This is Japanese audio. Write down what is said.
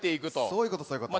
そういうことそういうこと。